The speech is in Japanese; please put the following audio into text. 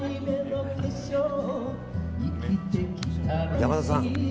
山田さん。